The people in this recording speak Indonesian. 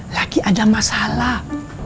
lagi ada masalah